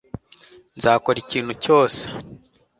nzakora ikintu cyose